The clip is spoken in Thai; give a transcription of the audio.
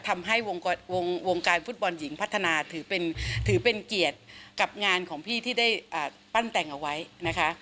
ทำให้วงการฟุตบอลหญิงพัฒนาถือเป็นเกียรติกับงานของพี่ที่ได้ปั้นแต่งเอาไว้นะคะ